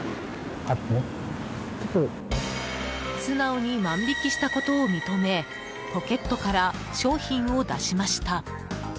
素直に万引きしたことを認めポケットから商品を出しました。